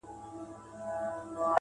يې په ملا باندې درانه لفظونه نه ايږدمه_